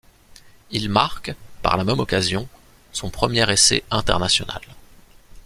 Il marque, par la même occasion, son premier essai international.